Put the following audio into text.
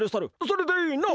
それでいいな？